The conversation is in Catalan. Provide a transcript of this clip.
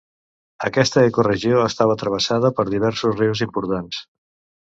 Aquesta ecoregió està travessada per diversos rius importants.